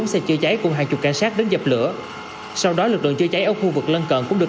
bốn xe chữa cháy cùng hàng chục cảnh sát đến dập lửa sau đó lực lượng chữa cháy ở khu vực lân cận cũng được